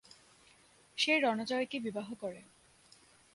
সে রণজয় কে বিবাহ করে।